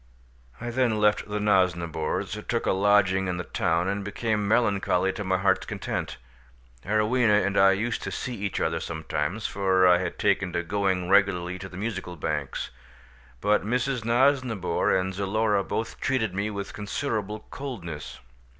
I then left the Nosnibors, took a lodging in the town, and became melancholy to my heart's content. Arowhena and I used to see each other sometimes, for I had taken to going regularly to the Musical Banks, but Mrs. Nosnibor and Zulora both treated me with considerable coldness.